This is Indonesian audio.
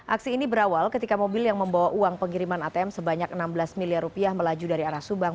aksi ini berawal ketika mobil yang membawa uang pengiriman atm sebanyak enam belas miliar rupiah melaju dari arah subang